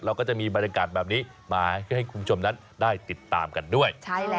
ก็จะมีบรรยากาศแบบนี้มาให้คุณผู้ชมนั้นได้ติดตามกันด้วย